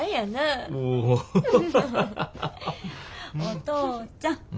お父ちゃん